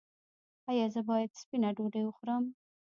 ایا زه باید سپینه ډوډۍ وخورم؟